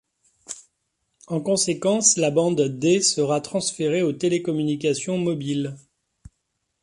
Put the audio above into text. En conséquence, la bande des sera transférée aux télécommunications mobiles.